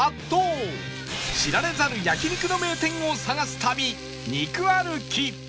知られざる焼肉の名店を探す旅肉歩き